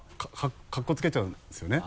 格好つけちゃうんですよね